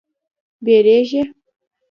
بیږیږې